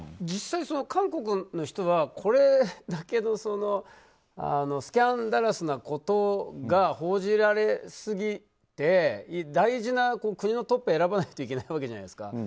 実際、韓国の人はこれだけのスキャンダラスなことが報じられすぎて大事な国のトップを選ばなきゃいけないわけじゃないですか。